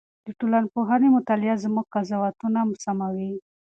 د ټولنپوهنې مطالعه زموږ قضاوتونه سموي.